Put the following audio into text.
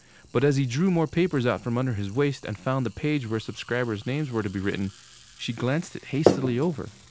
But as he drew more papers out from under his waist and found the page where subscribers' names were to be written, she glanced it hastily over.